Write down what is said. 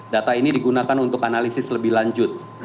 data ini digunakan untuk analisis lebih lanjut